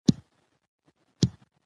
ماشوم کولی سي ازاد فکر ولري.